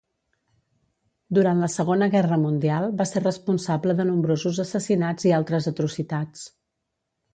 Durant la Segona Guerra Mundial va ser responsable de nombrosos assassinats i altres atrocitats.